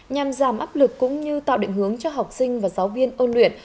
nhằm giảm áp lực cũng như tạo định hướng cho học sinh và giáo viên ôn luyện